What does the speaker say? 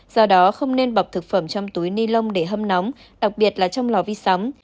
do đó không nên bọc thực phẩm trong túi ni lông để hâm nóng đặc biệt là trong lò vi sóng